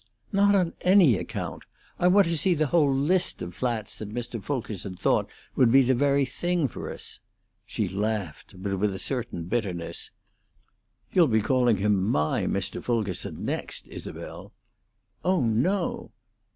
"Not on any account. I want to see the whole list of flats that Mr. Fulkerson thought would be the very thing for us." She laughed, but with a certain bitterness. "You'll be calling him my Mr. Fulkerson next, Isabel." "Oh no!"